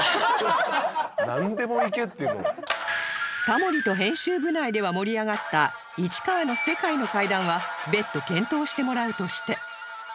タモリと編集部内では盛り上がった市川の「世界の階段」は別途検討してもらうとして